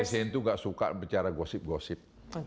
presiden tuh nggak suka bicara gosip gosip